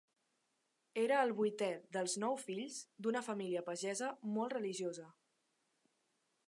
Era el vuitè dels nou fills d'una família pagesa molt religiosa.